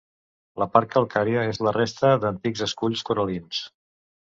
La part calcària és la resta d'antics esculls coral·lins.